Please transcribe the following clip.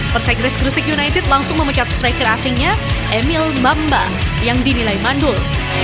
persegris gresik united langsung memecat striker asingnya emil bambang yang dinilai mandul